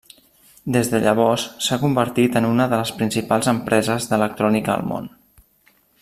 Des de llavors s'ha convertit en una de les principals empreses d'electrònica al món.